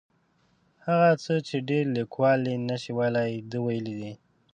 هغه څه چې ډېر لیکوال یې نشي ویلی ده ویلي دي.